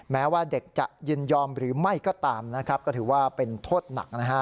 แม้ว่าเด็กจะยินยอมหรือไม่ก็ตามนะครับก็ถือว่าเป็นโทษหนักนะฮะ